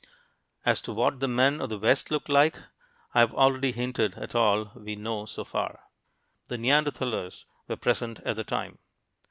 As to what the men of the West looked like, I've already hinted at all we know so far (pp. 29 ff.). The Neanderthalers were present at the time.